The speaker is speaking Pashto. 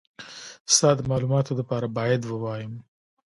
ستا د مالوماتو دپاره بايد ووايم.